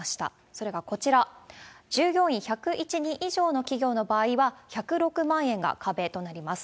それがこちら、従業員１０１人以上の企業の場合は、１０６万円が壁となります。